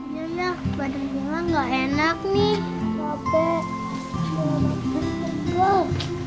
nya nya badan bella gak enak nih